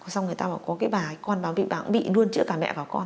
xong người ta bảo có cái bà con bảo bị bạc bị luôn chữa cả mẹ bảo con